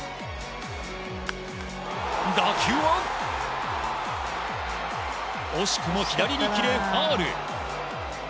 打球は惜しくも左に切れファウル。